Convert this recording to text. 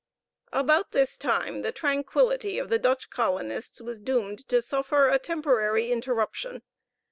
About this time the tranquillity of the Dutch colonists was doomed to suffer a temporary interruption.